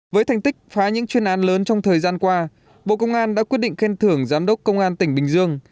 với thành tích phá những chuyên án lớn trong thời gian qua bộ công an đã quyết định khen thưởng giám đốc công an tỉnh bình dương